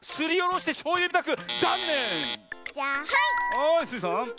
はいスイさん。